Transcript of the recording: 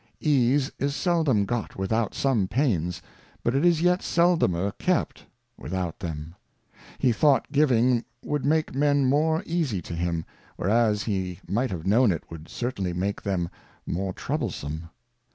Ease is seldom got without some pains, but it is yet seldomer kept without them. He thought giving would make Men more easy to him, whereas he might have known it would certainly make them more troublesome.